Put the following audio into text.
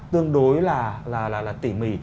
tương đối là tỉ mì